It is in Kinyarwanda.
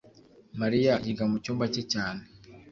mariya yiga mu cyumba cye cyane